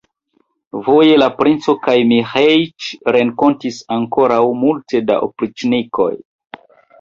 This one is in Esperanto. Voje la princo kaj Miĥeiĉ renkontis ankoraŭ multe da opriĉnikoj.